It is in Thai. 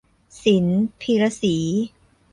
ศิลป์ พีระศรี